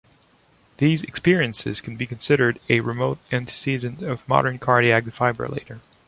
These experiences can be considered a remote antecedent of modern cardiac defibrillator.